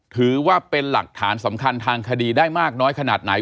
ถือว่าเป็นหลักฐานสำคัญทางคดีได้มากน้อยขนาดไหน